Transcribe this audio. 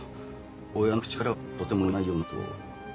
親の口からはとても言えないようなことを。